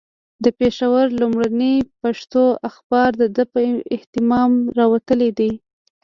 د پېښور لومړنی پښتو اخبار د ده په اهتمام راوتلی دی.